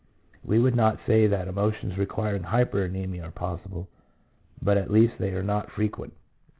We would not say that emotions requiring hypernemia are impossible, but at least they are not frequent.